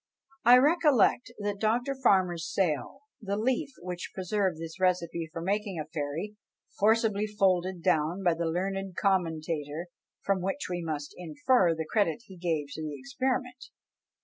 I recollect, at Dr. Farmer's sale, the leaf which preserved this recipe for making a fairy, forcibly folded down by the learned commentator; from which we must infer the credit he gave to the experiment.